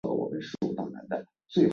满九十岁时自号长寿翁。